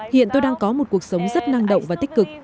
hiện tôi đang có một cuộc sống rất năng động và tích cực